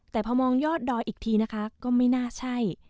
แต่พอมองยอดดอยอีกทีนะคะก็ไม่น่าใช่